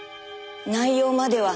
内容までは。